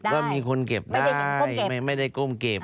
ว่ามีคนเก็บได้ไม่ได้ก้มเก็บ